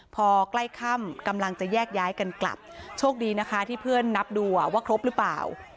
พอใกล้ค่ำกำลังจะแยกย้ายกันกลับโชคดีนะคะที่เพื่อนนับดูว่าครบหรือเปล่า